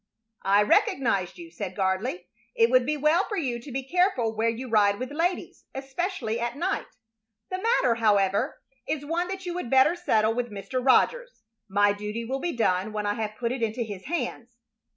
"I recognized you," said Gardley. "It would be well for you to be careful where you ride with ladies, especially at night. The matter, however, is one that you would better settle with Mr. Rogers. My duty will be done when I have put it into his hands."